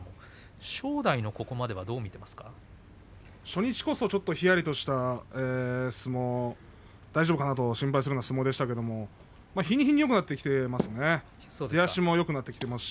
正代のここまでは初日こそちょっとひやりとした相撲大丈夫かな？と心配するような相撲でしたが日に日によくなってきていますね。